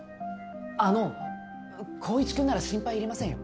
あの浩一くんなら心配いりませんよ。